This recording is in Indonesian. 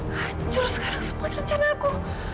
hancur sekarang semua rencana aku